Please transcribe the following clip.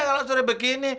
kalau sore begini